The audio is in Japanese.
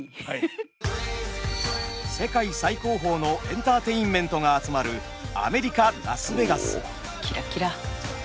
世界最高峰のエンターテインメントが集まるおキラキラ。